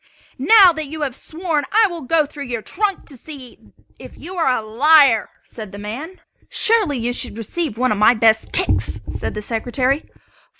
"Now that you have sworn I will go through your trunks to see if you are a liar!" said the man. "Surely, you should receive one of my best kicks," said the Secretary.